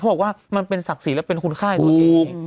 บอกว่ามันเป็นศักดิ์ศรีและเป็นคนค่ายตัวเอง